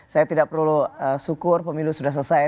saya tidak perlu syukur pemilu sudah selesai